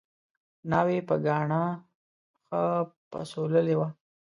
ناوې په ګاڼه ښه پسوللې وه